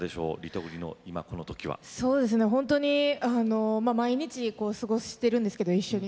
ほんとに毎日過ごしてるんですけど一緒に。